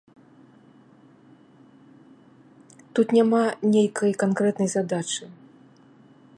Тут няма нейкай канкрэтнай задачы.